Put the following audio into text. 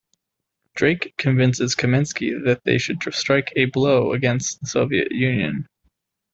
Drake convinces Kaminsky that they should strike a blow against the Soviet Union.